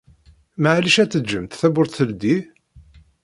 Meɛlic ad teǧǧemt tawwurt teldi?